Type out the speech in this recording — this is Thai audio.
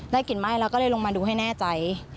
กลิ่นไหม้เราก็เลยลงมาดูให้แน่ใจ